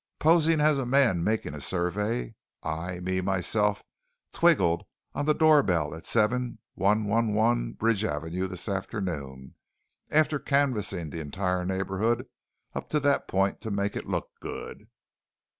"Posing as a man making a survey, I, me, myself twiggled on the doorbell at 7111 Bridge Avenue this afternoon, after canvassing the entire neighborhood up to that point to make it look good."